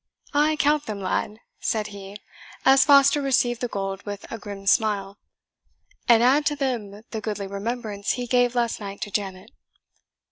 Ay, count them, lad," said he, as Foster received the gold with a grim smile, "and add to them the goodly remembrance he gave last night to Janet."